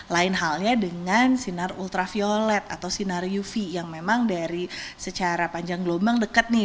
lain halnya dengan sinar ultraviolet atau sinar uv yang memang dari secara panjang gelombang deket nih